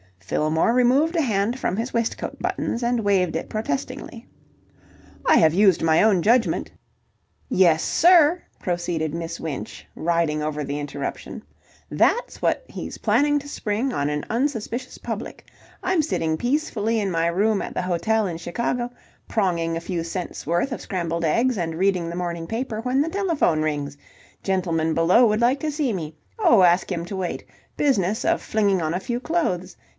Fillmore removed a hand from his waistcoat buttons and waved it protestingly. "I have used my own judgment..." "Yes, sir!" proceeded Miss Winch, riding over the interruption. "That's what he's planning to spring on an unsuspicious public. I'm sitting peacefully in my room at the hotel in Chicago, pronging a few cents' worth of scrambled eggs and reading the morning paper, when the telephone rings. Gentleman below would like to see me. Oh, ask him to wait. Business of flinging on a few clothes.